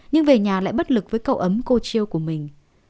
nhưng về nhà lại bất lực với cậu ấm cô chiêu của mình